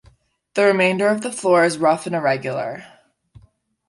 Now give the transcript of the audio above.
The remainder of the floor is rough and irregular.